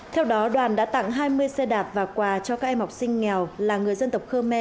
theo đó đoàn đã tặng hai mươi xe đạp và quà cho các em học sinh nghèo là người dân tộc khơ me